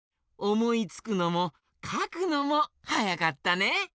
おもいつくのもかくのもはやかったね。